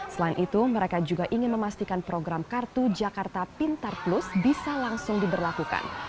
selain itu mereka juga ingin memastikan program kartu jakarta pintar plus bisa langsung diberlakukan